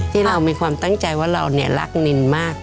ที่เรามีความตั้งใจว่าเรารักนินมาก